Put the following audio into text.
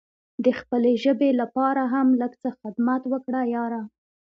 د خپلې ژبې لپاره هم لږ څه خدمت وکړه یاره!